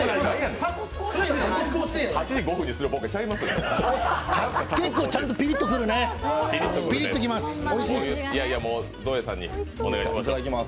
８時５分にするボケちゃいます。